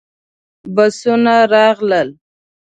بسونه راغلل.